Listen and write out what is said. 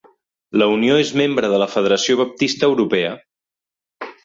La unió és membre de la Federació Baptista Europea.